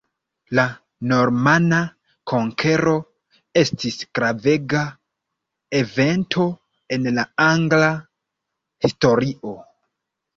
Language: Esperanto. La normana konkero estis gravega evento en la angla historio.